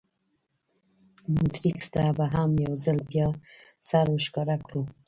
مونټریکس ته به هم یو ځل بیا سر ور ښکاره کړو.